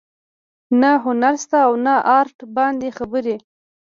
نه هنر شته او نه ارټ باندې خبرې